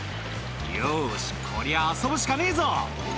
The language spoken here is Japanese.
「よしこりゃ遊ぶしかねえぞ」